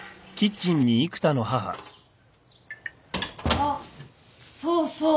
あっそうそう。